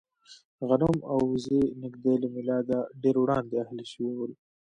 غنم او اوزې نږدې له مېلاده ډېر وړاندې اهلي شول.